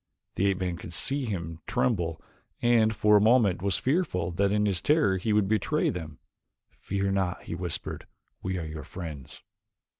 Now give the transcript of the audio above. The ape man could see him tremble and for a moment was fearful that in his terror he would betray them. "Fear not," he whispered, "we are your friends."